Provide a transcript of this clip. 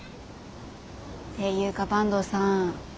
っていうか坂東さん